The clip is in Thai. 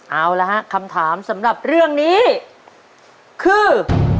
เอาละฮะคำถามสำหรับเรื่องนี้คือ